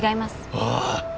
ああ！！